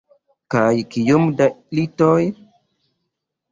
Kaj kiom da litoj.